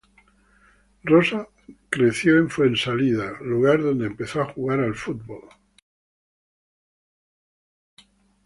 Rosa creció en Fuensalida, lugar donde empezó a jugar al fútbol.